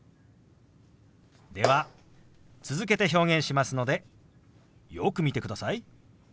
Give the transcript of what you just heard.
では続けて表現しますのでよく見てください。